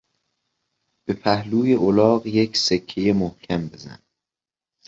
به پهلوی الاغ یک سکهی محکم بزن!